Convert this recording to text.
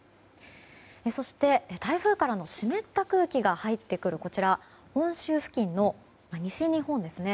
そして、台風からの湿った空気が入ってくる本州付近の西日本ですね。